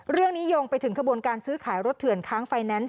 โยงไปถึงขบวนการซื้อขายรถเถื่อนค้างไฟแนนซ์